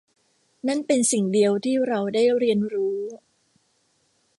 นั่นเป็นสิ่งเดียวที่เราได้เรียนรู้